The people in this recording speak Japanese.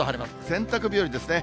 洗濯日和ですね。